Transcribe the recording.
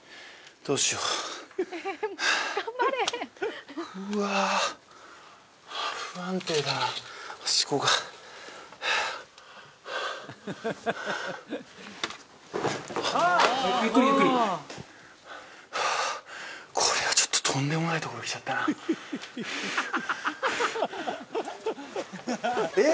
どうしよううわ・ゆっくりゆっくりこれはちょっととんでもないところ来ちゃったなえっ！